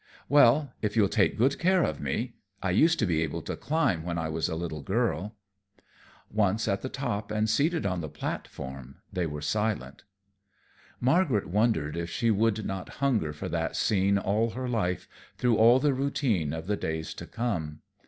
"Well, if you'll take good care of me. I used to be able to climb, when I was a little girl." Once at the top and seated on the platform, they were silent. Margaret wondered if she would not hunger for that scene all her life, through all the routine of the days to come.